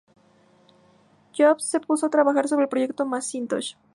Jobs se puso a trabajar sobre el proyecto Macintosh.